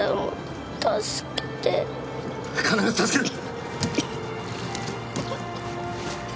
必ず助ける！